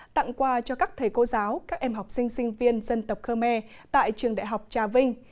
tặng quà cho các thầy cô giáo các em học sinh sinh viên dân tộc khơ me tại trường đại học trà vinh